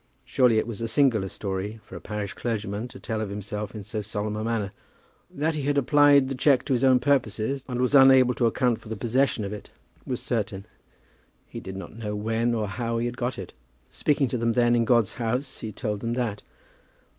Surely it was a singular story for a parish clergyman to tell of himself in so solemn a manner. That he had applied the cheque to his own purposes, and was unable to account for the possession of it, was certain. He did not know when or how he had got it. Speaking to them then in God's house he told them that.